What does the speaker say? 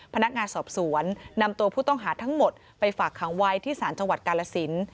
พนักงานสอบสวนนำตัวผู้ต้องหาทั้งหมดไปฝากขังไว้ที่ศาลจังหวัดกาลสิน